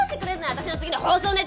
私の次の放送ネタ！